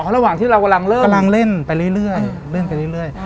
ระหว่างที่เรากำลังเริ่มกำลังเล่นไปเรื่อยเล่นไปเรื่อย